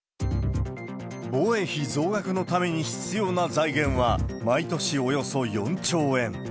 防衛費増額のために必要な財源は、毎年およそ４兆円。